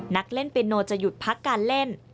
นักเล่นเปียโนจะหยุดพักการเล่น